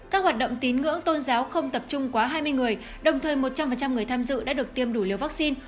các hoạt động tín ngưỡng tôn giáo không tập trung quá hai mươi người đồng thời một trăm linh người tham dự đã được tiêm đủ liều vaccine